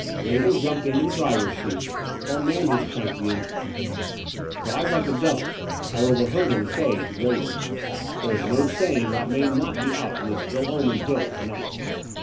Greville jumped into the driver's seat, while Manders cranked the engine. ''Drive like the devil," I overheard him say to Greville. "There is no saying what may not be out on this ill omened hill to night."